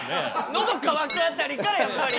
「ノドかわく」辺りからやっぱり。